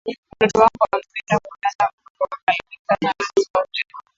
Mtoto wangu anapenda kulalamika saa zote